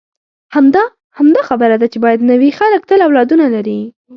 همدا، همدا خبره ده چې باید نه وي، خلک تل اولادونه لري.